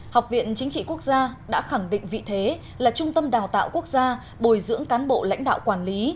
học viện chính trị quốc gia đã khẳng định vị thế là trung tâm đào tạo quốc gia bồi dưỡng cán bộ lãnh đạo quản lý